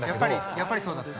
やっぱりそうだった。